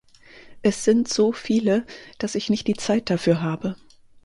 Es sind so viele, dass ich nicht die Zeit dafür habe.